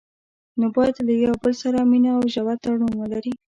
نو باید له یو بل سره مینه او ژور تړون ولري.